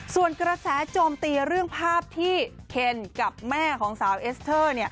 ส่วนกระแสโจมตีเรื่องภาพที่เคนกับแม่ของสาวเอสเตอร์